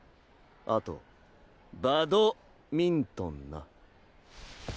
あとバ「ド」ミントンな！